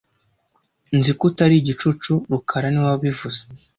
Nzi ko utari igicucu rukara niwe wabivuze